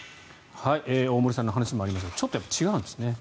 大森さんの話にもありましたがちょっと違うんですね。